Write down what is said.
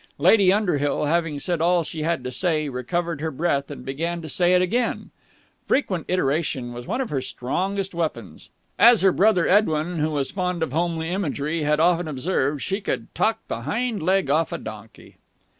Lady Underhill, having said all she had to say, recovered her breath and began to say it again. Frequent iteration was one of her strongest weapons. As her brother Edwin, who was fond of homely imagery, had often observed, she could talk the hind leg off a donkey.